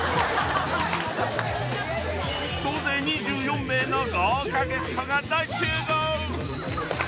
総勢２４名の豪華ゲストが大集合！